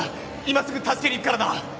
今すぐ助けに行くからな。